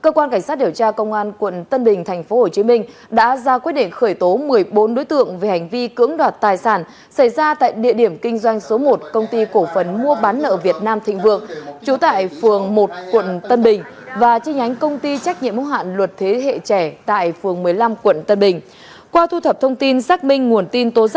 cơ quan cảnh sát điều tra bộ công an huyện thoại sơn đã ra các quyết định khởi tố chín bị can trong vụ án xảy ra tại địa điểm kinh doanh số một công ty cổ phấn mua bán nợ việt nam thịnh vương trú tại phường một mươi năm công ty cổ phấn mua bán nợ việt nam thịnh vương